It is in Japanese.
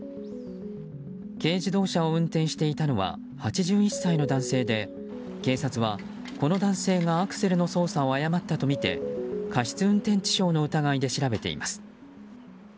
軽自動車を運転していたのは８１歳の男性で警察は、この男性がアクセルの操作を誤ったとみて過失運転致傷の疑いで調べています。